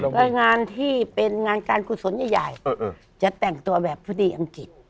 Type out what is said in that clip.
ก็งานที่เป็นงานการกุศลใหญ่จะแต่งตัวแบบพอดีอังกฤษ